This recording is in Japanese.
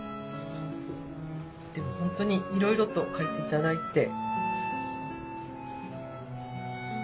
でも本当にいろいろと書いて頂いて。